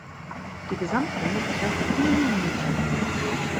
Die Gesamtlänge beträgt vier Minuten.